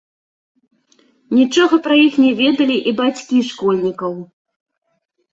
Нічога пра іх не ведалі і бацькі школьнікаў.